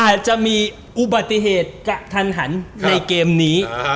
อาจจะมีอุบัติเหตุกระทันหันในเกมนี้